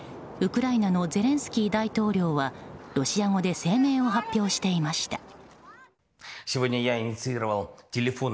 ウクライナのゼレンスキー大統領はロシア語で声明を発表していました。